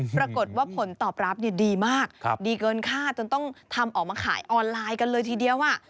ปรากฏว่าผลตอบรับดีมากดีเกินค่าจนต้องทำออกมาขายออนไลน์กันเลยทีเดียว